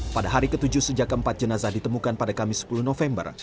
pada hari ke tujuh sejak keempat jenazah ditemukan pada kamis sepuluh november